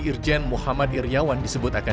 irjen muhammad iryawan disebut akan